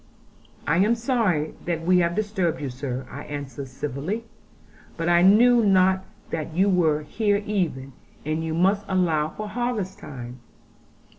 'I am sorry if we have disturbed you, sir,' I answered very civilly; 'but I knew not that you were here even; and you must allow for harvest time.'